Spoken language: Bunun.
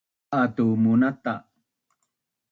Ka’a tu munata